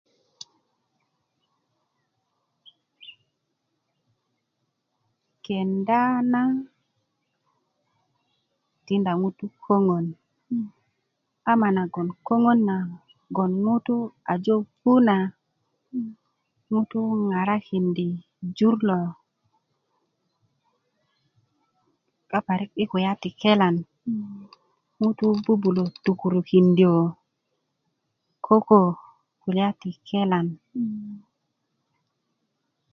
kenda na tinda ŋutu' koŋon ama nagon koŋon na nagon ŋutu' aje pu na ŋutu' ŋaŋarakindi jur lo yi parik yi kulya ti kelen ŋutu bubulö tukurukindö koko kulya ti kelan